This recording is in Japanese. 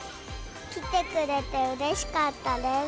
来てくれてうれしかったです。